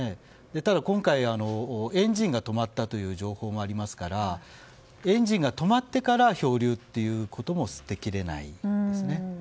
ただ、今回はエンジンが止まったという情報がありますからエンジンが止まってから漂流ということも捨てきれないですね。